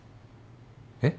えっ？